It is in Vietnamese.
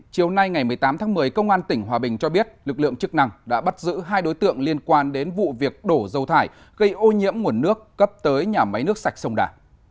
chiều nay ngày một mươi tám tháng một mươi công an tỉnh hòa bình cho biết lực lượng chức năng đã bắt giữ hai đối tượng liên quan đến vụ việc đổ dầu thải gây ô nhiễm nguồn nước cấp tới nhà máy nước sạch sông đà